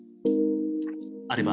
あれば。